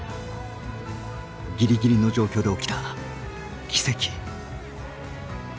ギリギリの状況で起きた奇跡。